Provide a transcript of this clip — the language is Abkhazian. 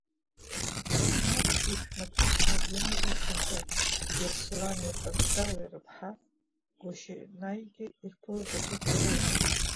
Шьмаф иԥшәмаԥҳәыс Мадина, иҷкәынцәа Берслани, Ҟаншауи рыԥҳа Гәошьенаигьы ирԥылаз агәыԥ ирылан.